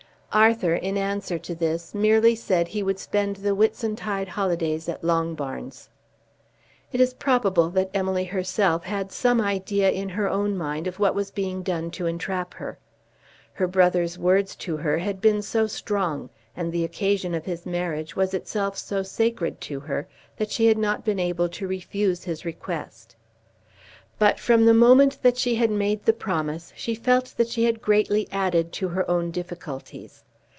Arthur, in answer to this, merely said he would spend the Whitsuntide holidays at Longbarns. It is probable that Emily herself had some idea in her own mind of what was being done to entrap her. Her brother's words to her had been so strong, and the occasion of his marriage was itself so sacred to her, that she had not been able to refuse his request. But from the moment that she had made the promise, she felt that she had greatly added to her own difficulties.